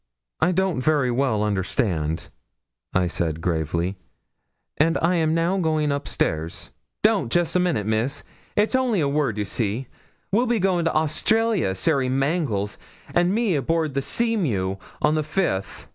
'I don't very well understand,' I said gravely; 'and I am now going upstairs.' 'Don't jest a minute, Miss; it's only a word, ye see. We'll be goin' t' Australia, Sary Mangles, an' me, aboard the Seamew, on the 5th.